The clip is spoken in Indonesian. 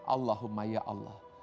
allahumma ya allah